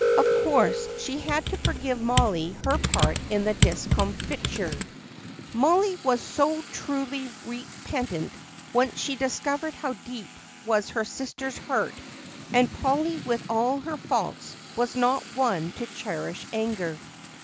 Of course she had to forgive Mollie her part in her discomfiture; Mollie was so truly repentant once she discovered how deep was her sister's hurt and Polly with all her faults was not one to cherish anger.